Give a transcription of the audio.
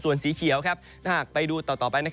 ส่วนสีเขียวถ้าหากไปดูต่อไป